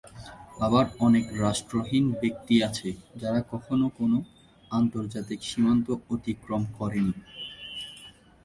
আবার অনেক রাষ্ট্রহীন ব্যক্তি আছে যারা কখনও কোনো আন্তর্জাতিক সীমান্ত অতিক্রম করেনি।